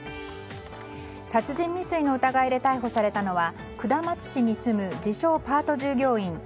殺人未遂の疑いで逮捕されたのは下松市に住む自称パート従業員